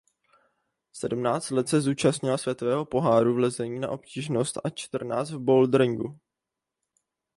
Sedmnáct let se účastnila světového poháru v lezení na obtížnost a čtrnáct v boulderingu.